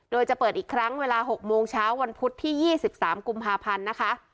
โดยจะเปิดอีกครั้งเวลา๑๖๐๐นวันพุดที่๒๓กุมภาพันธุ์